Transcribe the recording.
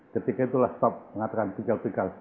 ketika itulah stop pengaturan aspikal aspikal